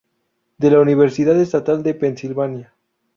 De la Universidad Estatal de Pensilvania.